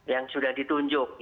yang sudah ditunjuk